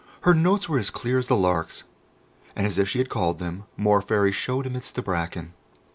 Her notes were as clear as the lark's, and as if she had called them, more Fairies showed amidst the bracken.